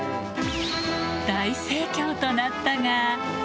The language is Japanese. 大盛況となったが。